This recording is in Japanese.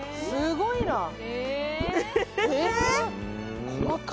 すごいな。